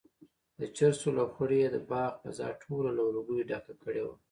د چرسو لوخړو یې د باغ فضا ټوله له لوګیو ډکه کړې وه.